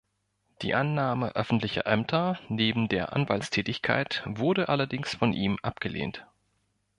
Die Annahme öffentlicher Ämter neben der Anwaltstätigkeit wurde allerdings von ihm abgelehnt.